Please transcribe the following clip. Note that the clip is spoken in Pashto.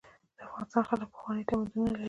د افغانستان خلک پخواني تمدنونه لري.